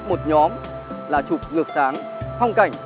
một nhóm là chụp ngược sáng phong cảnh